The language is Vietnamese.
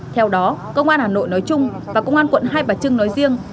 theo đó công an hà nội nói chung và công an quận hai bà trưng nói riêng